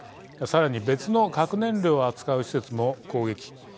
さらに別の核燃料を扱う施設も攻撃。